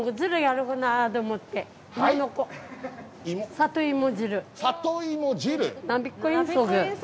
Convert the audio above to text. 里芋汁！